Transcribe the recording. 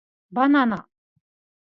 ばなな